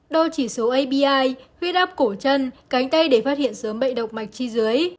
đo chỉ số abi huyết áp cổ chân cánh tay để phát hiện sớm bệnh động mạch chi dưới